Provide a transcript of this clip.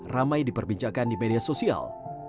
ramai diperbincangkan di media sosial